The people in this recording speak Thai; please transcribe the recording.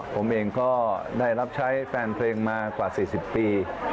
ผมเองก็ได้รับใช้แฟนเพลงมากว่า๔๐ปี